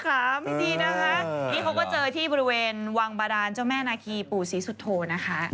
เขาก็เจอที่บริเวณวังบดานเจ้าแม่นาขี้ปู่ซีสุทโทนะคะ